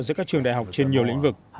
giữa các trường đại học trên nhiều lĩnh vực